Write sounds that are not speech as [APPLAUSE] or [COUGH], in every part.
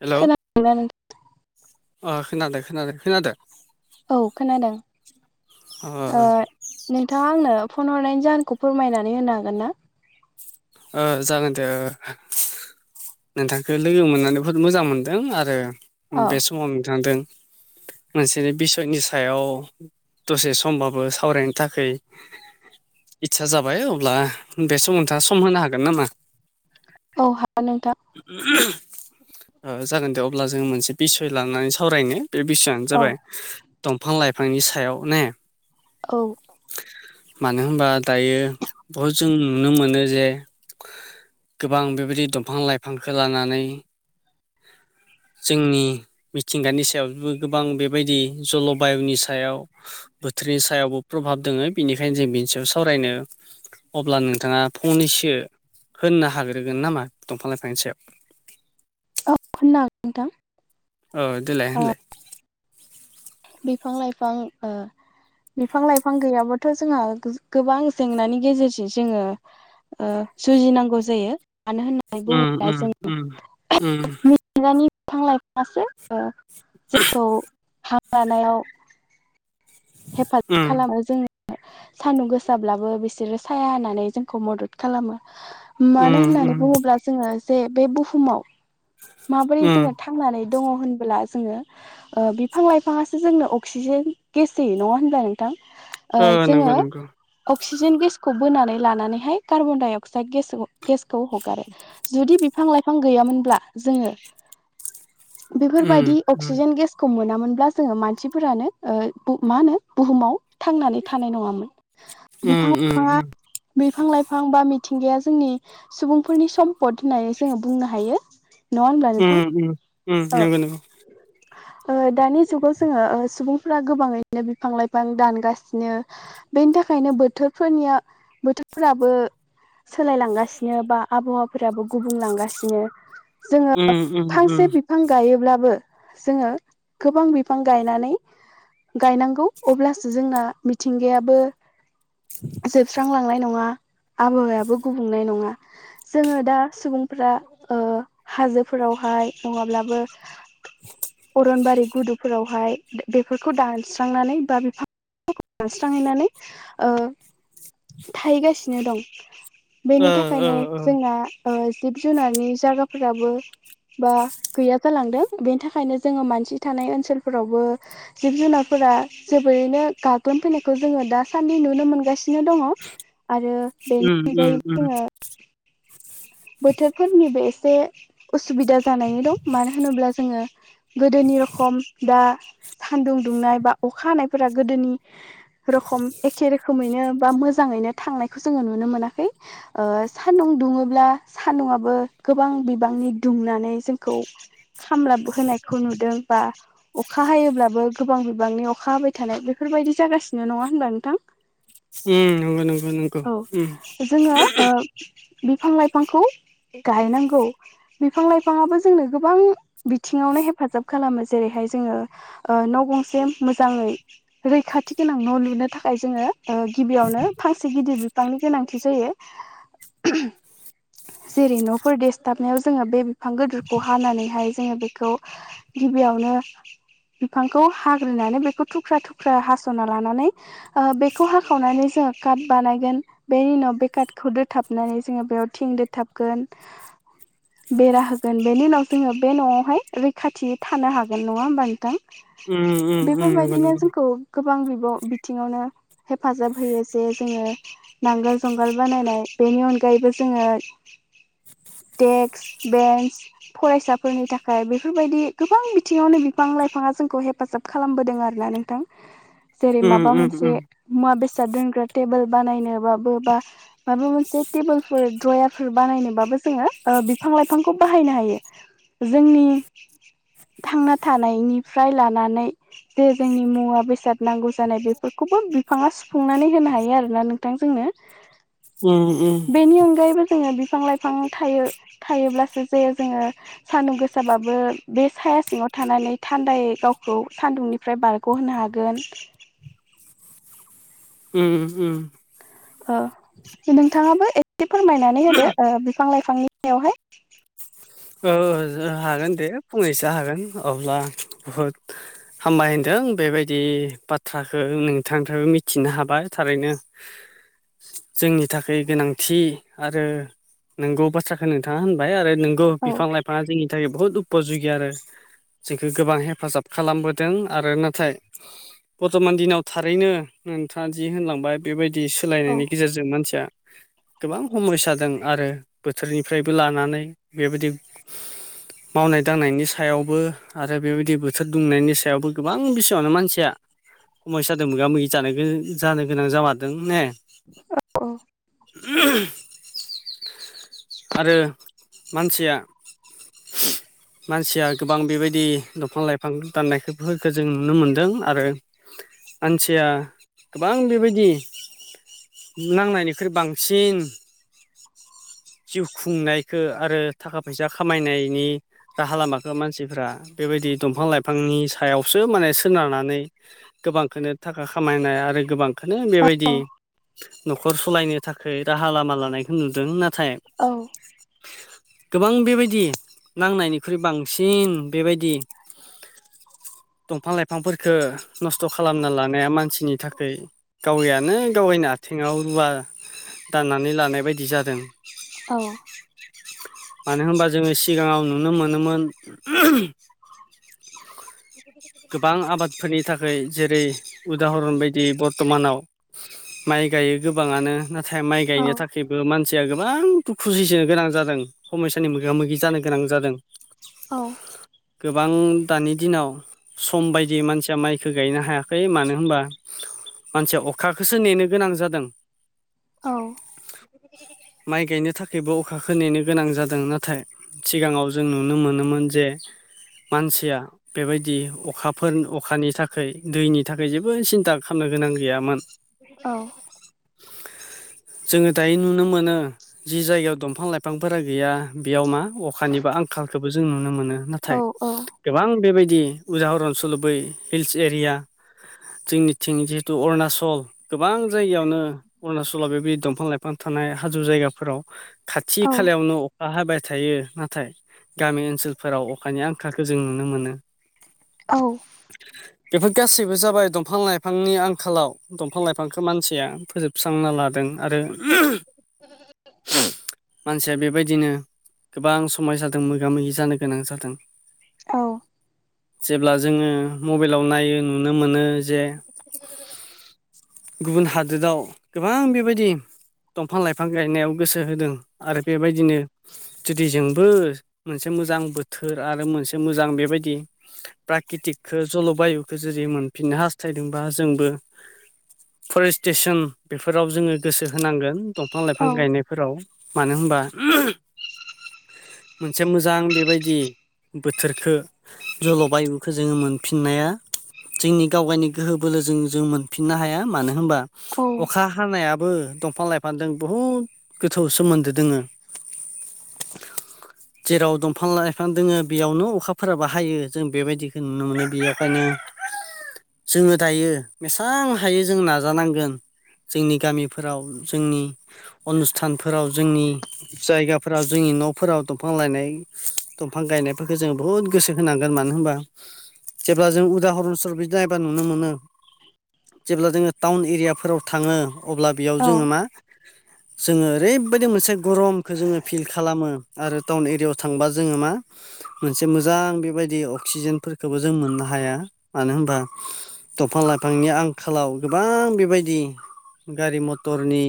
Hello. [UNINTELLIGIBLE] अ खोनादों खोनादों खोनादों। औ खोनादों अ ओ। नोंथाङा आंनो फन हरनायनि जाहोनखौ फोरमायनानै होनो हागोन ना? ओ जागोन दे ओ। नोंथांखो लोगो मोननानै बुहुद मोजां मोनदों आरो औ बे समाव थांदों मोनसे बिसयनि सायाव दसे समबाबो सावरायनो थाखै इदसा जाबाय अब्ला बे सम नोंथाङा सम होनो हागोन नामा? औ हागोन नों थां। जागोन दे अब्ला जोंङो मोनसे बिसय लानानै सावरायनो। बे बिसयानो औ जाबाय दंफां लाइफांनि सायाव ने। औ। मानो होनबा दायो बहुत जों नुनो मोनो ज जे गोबां बेबायदि दंफां लाइफांखौ लानानै। जोंनि। मिथिंगानि सायावबो गोबां बेबायदि जल बायुनि सायाव बोथोरनि सायावबो प्रभाब दोङो बेनिखायनो जों बिनि सायाव सावरायनो अब्ला नोंथाङा फंनैसो होनो हाग्रोगोन नामा दंफां लाइफांनि सायाव? औ होननोगोन नोंथां। औ देलाय होनलाय। बिफां लाइफां ओ बिफां लाइफां गैयाब्लााथ' जोंहा गोबां जेंनानि गेजेरजों जोङो जुजिनांगौ जायो मानो होननानै उम बुङोब्ला उम जोङ उम उम [UNINTELLIGIBLE] [INAUDIBLE] लानायाव हेफाजाब खालामो जों सानदुं गोसाब्लाबो बिसोरो साया होननानै जोंखौ मदद खालामो। मानो उम उम होननानै बुङोब्ला जोङो जे बे बुहुमाव माबोरै उम जोङो था थांनानै द होनब्ला जोंङो ओ बिांफां लाइफांआसो जोंनो अक्सिजेन गेस जायो नङा होनबाय नोंथां ओ नंगौ जोङो। नंगौ अक्सिजेन गेसखौ बोनानै लानानैहाय कार्बन डाइ अक्साइद गेसखौ गेसखौ हगारो जुदि बिफां लाइफां गैयामोनब्ला जोङो उम बेफोरबायदि उम अक्सिजेन गेसखौ मोनामोनब्ला जोङो मानसिफोरानो ओ बु मा होनो बुहुमाव थांनानै थानाय नङामोन उम बिफां लाफाङा उम बिफां लाइफां बा मिथिंगाया जोंनि सुबुंफोरनि सम्पद होननानै जोङो बुंनो हायो नङा होनब्ला उम नोंथां। उम उम औ नंगौ नंगौ। ओ दानि जुगाव जोङो ओ सुबुंफोरा गोबाङैनो बिफां लाइफां दानगासिनो। बेनि थाखायनो बोथोरफोरनिया बोथोरफोराबो सोलायलांगासिनो बा आबहावाफोराबो गुबुंलांगासिनो। जोङो उम उम उम फांसे बिफां गायोब्लाबो जोङो गोबां बिफां गायनानै गायनांगौ अब्लासो जोंना मिथिंगायाबो जोबस्रांलांनाय नङा आबहावायाबो गुबुंनाय नङा। जोङो दा सुबुंफ्रा ओ हाजोफोरावहाय नङाब्लाबो अरनबारि गुदु फोरावहाय बेफोरखौ दानस्रांनानै बा बिफां दानस्रांहैनानै ओ थाहैगासिनो दं ओ बेनि ओ थाखायनो ओ जोंना ओ जिब जुनारनि जायगाफोराबो बा गैया जालांदों बेनि थाखायनो जोङो मानसि थानाय ओनसोलफोरावबो जिब जुनारफोरा जोबोरैनो गाग्लोबफैनायखौ जोङो दासान्दि नुनो मोनगासिनो दिनो दङ आरो बेनि उम उम अनगायैबो उम जोङो बोथोरफोरनिबो एसे उसुबिदा जानानै दं मानो होनोब्ला जोङो गोदोनि रखम दा सानदुं दुंनाय बा अखा हानायफोरा गोदोनि रखम एखे रोखैनो बा मो मोजाङैनो थांनायखौ जोङो नुनो मोनाखै ओ सान्दुं दुङोब्ला सानदुंआबो गोबां बिबांनि दुंनानै जोंखौ खामलाब होनायखौ नुदों बा अखा हायोब्लाबो गोबां बिबांनि अखा हाबाय थानाय बेफोरबायदि जागासिनो नङा होनबा नोंथां। उम नंगौ नंगौ नंगौ औ उम। जोङो ओ बिफां लाइफांखौ गायनांगौ। बिफां लाइफाङाबो जोंनो गोबां बिथिङावनो हेफाजाब खालामो जेरैहाय जोङो। ओ न' गंसे मोजाङै रैखाथि गोनां न' लुनो थाखाय जोङो ओ गिबियावनो फांसे गिदिर बिफांनि गोनांथि जायो। जेरै न'फोर देसथाबनायाव जोङो बे बिफां गोदोरखौ हानानैहाय जोङो बेखौ गिबियावनो। बिफांखौ हाग्रोनानै बेखौ थुख्रा थुख्रा हास'ना लानानै ओ बेखौ हाखावनानै जोङो काट बानायगोन बेनि उनाव बे काटखौ दोथाबनानै जोङो बेयाव थिं दोथाबगोन। बेरा होगोन बेनि उनाव जोङो बे न'आवहाय रैखाथियै थानो हागोन नङा होमबा उम नोंथां। उम उम नंगौ बेफोरबायदिनो नंगौ जोंखौ गोबां बिब' बिथिङावनो हेफाजाब होयो जे जोङो नांगोल जुंगाल बानायनाय बेनि अनगायैबो जोङो डेक्स बेन्स फरायसाफोरनि थाखाय बेफोरबायदि गोबां बिथिङावनो बिफां लाइफाङा जोंखौ हेफाजाब खालामबोदों आरोना नोंथां। [UNINTELLIGIBLE] जेरै माबा उम मोनसे उम मुवा बेसाद दोनग्रा टेबोल बानायनोबाबो बा माबा मोनसे तेबोल फोर द्रयारफोर बानायनोबाबो जोङो ओ बिफां लाइफांखौ बाहायनो हायो। जोंनि थांना थानायनिफ्राय लानानै जे जोंनि मुवा बेसाद नांगौ जानाय बेफोरखौबो बिफाङा सुफुंनानै होनो हायो आरोना नोंथां जोंनो। उम उम। बेनि अनगायैबो जोङो बिफां लाइफां थायो थायोब्लासो जे जोङो सान्दुं गोसाबाबो बे साया सिङाव थानानै थान्दायै गावखौ सान्दुंनि फ्राय बारग' होनो हागोन। उम उम। ओ नोंथाङाबो एसे फोरमायनानै होदो बिफां लाइफांनि सायावहाय। ओ जो हागोन दे फंनैसो हागोन अब्ला बहुद हामबाय होनदों बेबायदि बाथ्राखो नोंथांनिफ्रायबो मिथिनो हाबाय थारैनो जोंनि थाखाय गोनांथि आरो नोंगौ बाथ्राखो नोंथाङा होनबाय आरो नोंगौ औ बिफां लाइफाङा जोंनि थाखाय बहुद दुख पजुगि आरो जोंखौ गोबां हेफाजाब खालामबोदों आरो नाथाय बर्थमान दिनाव थारैनो नोंथाङा जि होनलांबाय बेबायदि औ सोलायनायनि गेजेरजों मानसिया गोबां समयसा दों आरो बोथोरनिफ्रायबो लानानै बेबायदि मावनाय दांनायनि सायावबो आरो बेबायदि बोथोर दुंनायनि सायावबो गोबां बिसोङानो मानसिया समायसा मोगा मोगि जानो गोनां जामारदों ने। औ। आरो मानसिया [INAUDIBLE] मानसिया गोबां बेबायदि दंफां लाइफां दाननायफोरखौ जों नुनो मोन्दों आरो मानसिया गोबां बेबायदि नांनायनिख्रुइ बांसिन जिउ खुंनायखौ आरो थाखा फैसा खामायनायनि राहा लामाखौ मानसिफ्रा बेबायदि दंफां लाइफांनि सायावसो माने सोनारनानै गोबांखोनो थाखा खामायनाय आरो गोबां बेखनो बेबायदि औ न'खर सालायनो थाखाय राहा लामा लानायखौ नुदों नाथाय औ। गोबां बेबायदि नांनायनिख्रुइ बांसिन बेबायदि दंफां लाइफांफोरफोरखो नस्थ' खालामना लानाया मानसिनि थाखाय गावैयानो गावैनो आथिङाव रुवा दाननानै लानाय बायदि जादों। औ। मानो होनबा जोङो सिगाङाव नुनो मोनोमोन। [INAUDIBLE] गोबां आबादफोरनि थाखाय जेरै उदाहरन बायदि बर्थ'मानाव माइ गायो गोबाङानो नाथाय माइ गायनो थाखाय बो मानसिया गोबां दुखु सैसोनो गोनां जादों समयसानि मोगा मोगि जानो गोनां जादों। औ। गोबां दानि दिनाव सम बायदि मानसिया माइखौ गायनो हायाखै मानो होनबा मानसिया अखखौसो नेनो गोनां जादों। औ। माइ गायनो थाखायबो अखा खोनैनो गोनां जादों नाथाय सिगाङाव जों नुनो मोनोमोन जे मानसिया बेबायदि अखाफोर अखानि थाखाय दैनि थाखाय जेबो सिन्था खामनो गोनां गैयामोन। औ। [INAUDIBLE] जोङो दायो नुनो मोनो जि जायगायाव दंफां लाइफांफोरा गैया बेयाव मा अखानि बा आंखालखोबो जों नुनो मोनो नाथाय गोबां बेबायदि उदाहरन सल बै हिल्स एरिया जोंनिथिं जिहेतु अरुणाचल गोबां जायगायावनो अरुणाचलाव बेबायदि दंफां-लाइफां थानाय हाजो जायगाफोराव खाथि खालायावनो अखा हाबाय थायो नाथाय गामि ओनसोलफोराव अखानि आंखालखौ जों नुनो मोनो। औ। बेफोर गासैबो जाबाय दंफां लाइफांनि आंखालाव दंफां-लाइफांखौ मानसिया फोजोबस्रांना लादों आरो [INAUDIBLE] मानसिया बेबायदिनो गोबां समायसादों मोगा-मोगि जानो गोनां जादों। औ जेब्ला जोङो मबाइलाव नायो नुनो मोनो जे [UNINTELLIGIBLE] गुबुन हादोराव गोबां बेबायदि दंफां लाइफां गायनायाव गोसो होदों। आरो बेबायदिनो जुदि जोंबो मोनसे मोजां बोथोर आरो मोनसे मोजां बेबायदि फ्राकृतिकखौ जल'बायुखौ जुदि मोनफिननो हास्थायदोंबा जोंबो फरेस्टेसन बेफोराव जोङो गोसो होनांगोन दंफां-लाइफां औ गायनाय फोराव मानो होनबा मोनसे मोजां बेबायदि बोथोरखो जल'बायुखौ जोङो मोनफिननाया जोंनि गावगायनि गोहो बोलोजों जों मोनफिननो हाया मानो होनबा औ अखा हानायाबो दंफां लाइफांजों बुहुद गोथौ सोमोन्दो दोङो। [INAUDIBLE] जेराव दंफां लाइफां दोङो बेयावनो अखाफोराबो हायो जों बेबायदिखौ नुनो मोनो बेखायनो जोङो दायो बेसां थायो जों नाजानांगोन जोंनि गामिफोराव जोंनि अनुस्थानफोराव जोंनि। जायगाफोरा जोंनि न'फोराव दंफां लायनाय दंफां गायनायफोरखौ जों बुहुत गोसो होनांगोन मानो होनबा जेब्ला जों उदाहरन सर बिदि नायबा नुनो मोनो जेब्ला जोङो टाउन एरियाफोराव थाङो अब्ला बेयाव औ जोङो मा जोङो ओरै बेबायदि मोनसे गरमखो जोङो फिल खालामो। आरो टाउन एरियायाव थांबा जोङो मा? मोनसे मोजां बेबायदि अक्सिजेनफोरखोबो जों मोननो हाया मानो होनबा दंफां-लाइफांनि आंखालाव गोबां बेबायदि गारि-मथरनि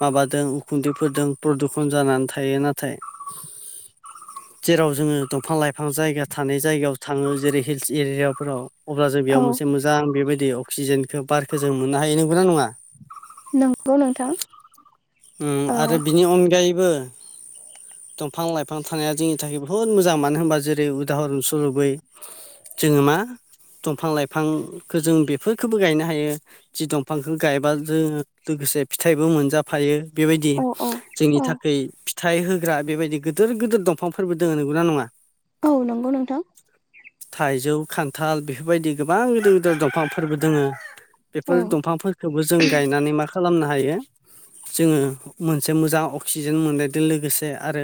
माबादों उखुन्दैफोरजों प्रदुखन जानानै थायो नाथाय जेराव जोङो दंफां लाइफां जायगा थानाय जायगायाव थाङो जेरै हिल्स एरियाफोराव अब्ला जों औ बेयाव मोनसे मोजां बेबायदि अक्सिजेनखौ बारखौ जों मोननो हायो नंगौना नङा? नंगौ नोंथां ओम ओ आरो बिनि अनगायैबो। बिफां लाइफां थानाया जोंनि थाखाय बहुत मोजां मानो होनबा जेरै उदाहरन सरबै। जोङो मा दंफां लाइफांखौ जों बेफोरखो बो गायनो हायो जि दंफांखौ गायबा जोङो लोगोसे फिथाइबो मोनजाफायो। बेबायदि औ औ जोंनि औ थाखै फिथाइ होग्रा बेबायदि गिदिर गिदिर दंफांफोरबो दङ नंगौना नङा? औ नंगौ नोंथां। थाइजौ खान्थाल बेफोरबायदि गोबां गिदिर गिदिर दंफांफोरबो दोङो। औ बेफोर दंफांफोरखौबो जों गायनानै मा खालामनो हायो? जोङो मोनसे मोजां अक्सिजेन मोननायजों लोगोसे आरो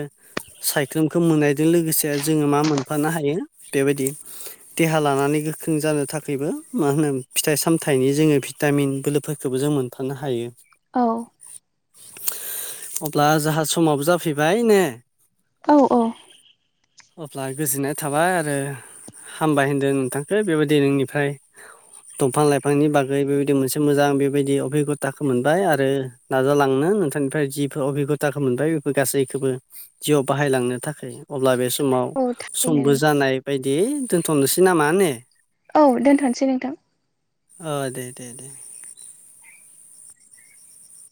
सायख्लुमखौ मोननायजों लोगोसे जोङो मा मोनफानो हायो बेबायदि। देहा लानानै गोख्रों जानो थाखायबो मा होनो? फिथाइ सामथायाइनि जोङो भिटामिन बोलोफोरखौबो जों मोनफानो हायो। औ अब्ला जोंहा समावबो जाफैबाय ने? औ औ। अब्ला गोजोननाय थाबाय आरो हामबाय होनदों नोंथांखौ बेबायदि नोंनिफ्राय दंफां लाइफांनि बागै बेबायदि मोनसे मोजां बेबायदि अबिगथाखौ मोनबाय आरो। नाजालांनो नोंथांनिफ्राय जि अबिगथाखौ मोनबाय बेफोर गासैखौबो जिउआव बाहायलांनो थाखाय। अब्ला बे समाव औ समबो थारैनो जानाय बायदि दोनथ'नोसै नामा ने? औ दोनथ'सै नोंथां। ओ दे दे दे।